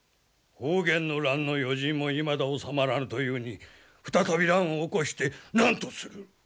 保元の乱の余燼もいまだ収まらぬというに再び乱を起こして何とする！